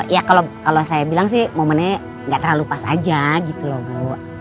ya kalau saya bilang sih momennya gak terlalu pas aja gitu loh bu